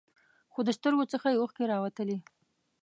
خو د سترګو څخه یې اوښکې راوتلې.